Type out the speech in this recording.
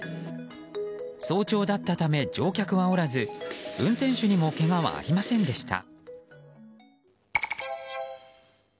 早朝だったため、乗客はおらず運転手にもけがはありませんでした。